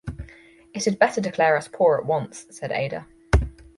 "It had better declare us poor at once," said Ada.